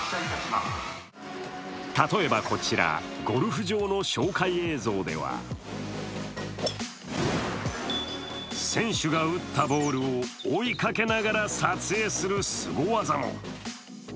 例えばこちら、ゴルフ場の紹介映像では選手が打ったボールを追いかけながら撮影するすご技も。